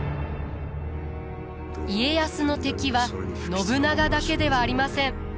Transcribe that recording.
家康の敵は信長だけではありません。